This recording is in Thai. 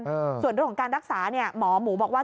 ส่วนเรื่องของการรักษาเนี่ยหมอหมูบอกว่า